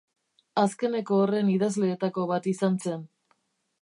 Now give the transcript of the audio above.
Azkeneko horren idazleetako bat izan zen.